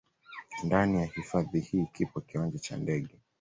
Ndani ya hifadhi hii kipo kiwanja cha ndege